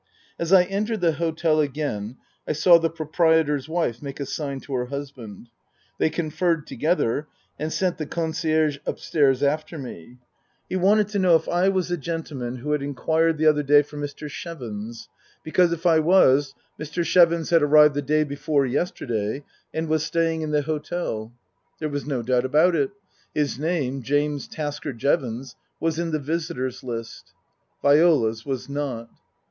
As I entered the hotel again I saw the proprietor's wife make a sign to her husband. They conferred together, and sent the concierge upstairs after me. He wanted to 60 Tasker Jevons know if I was the gentleman who had inquired the other day for Mr. Chevons, because, if I was, Mr. Chevons had arrived the day before yesterday and was staying in the hotel. There was no doubt about it ; his name, James Tasker Jevons, was in the visitors' list. Viola's was not.